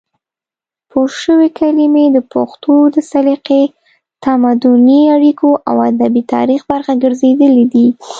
پورشوي کلمې د پښتو د سلیقې، تمدني اړیکو او ادبي تاریخ برخه ګرځېدلې دي،